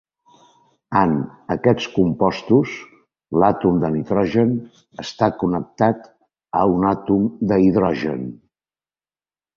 En aquests compostos l'àtom de nitrogen està connectat a un àtom d'hidrogen.